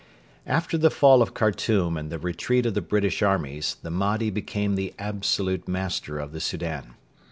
After the fall of Khartoum and the retreat of the British armies the Mahdi became the absolute master of the Soudan.